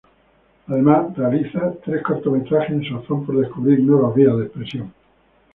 Además realiza tres cortometrajes en su afán por descubrir nuevas vías de expresión.